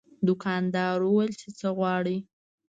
دوکاندار وویل چې څه غواړې.